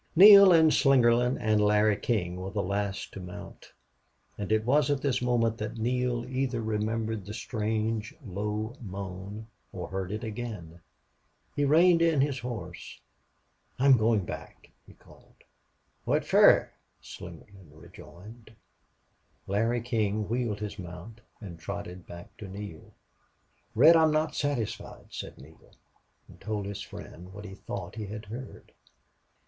Neale and Slingerland and Larry King were the last to mount. And it was at this moment that Neale either remembered the strange, low moan or heard it again. He reined in his horse. "I'm going back," he called. "What fer?" Slingerland rejoined. Larry King wheeled his mount and trotted back to Neale. "Red, I'm not satisfied," said Neale, and told his friend what he thought he had heard.